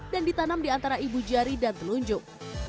dan ditanam di antara ibu jari dan telunjuk